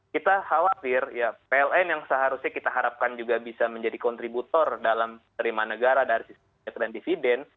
kita khawatir ya pln yang seharusnya kita harapkan juga bisa menjadi kontributor dalam terima negara dari sistemnya dan dividen